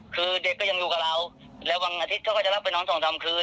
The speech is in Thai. คือเด็กก็ยังอยู่กับเราแล้วบางอาทิตย์ก็ค่อยลับไปน้ำสองคืน